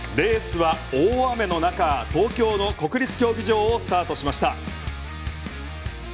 レースは大雨の中東京の国立競技場をスタートしました。